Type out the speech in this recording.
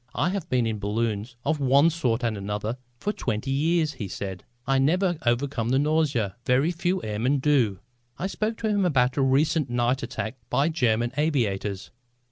"I have been in balloons of one sort and another for twenty years," he said. "I never overcome the nausea. Very few airmen do." I spoke to him about a recent night attack by German aviators.